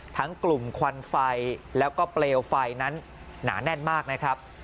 กลุ่มควันไฟแล้วก็เปลวไฟนั้นหนาแน่นมากนะครับ